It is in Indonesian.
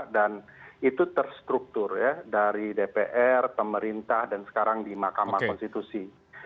dan itu terstruktur dari dpr pemerintah dan sekarang di makamah konstitusi